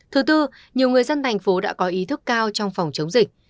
thứ tư nhiều người dân thành phố đã có ý thức cao trong phòng chống dịch